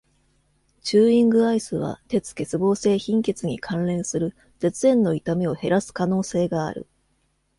チューイングアイスは、鉄欠乏性貧血に関連する舌炎の痛みを減らす可能性がある。